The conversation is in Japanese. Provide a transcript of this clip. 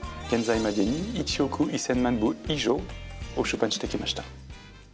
現在までに１億１０００万部以上を出版してきました。